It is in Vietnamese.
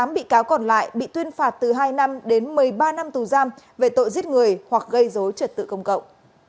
một mươi bị cáo còn lại bị tuyên phạt từ hai năm đến một mươi ba năm tù giam về tội giết người hoặc gây dối trật tự công cộng